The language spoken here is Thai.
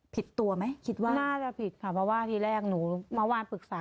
ผิดตัวไหมคิดว่าน่าจะผิดค่ะเพราะว่าทีแรกหนูเมื่อวานปรึกษา